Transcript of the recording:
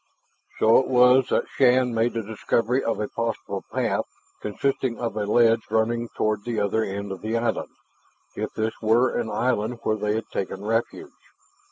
So it was that Shann made the discovery of a possible path consisting of a ledge running toward the other end of the island, if this were an island where they had taken refuge.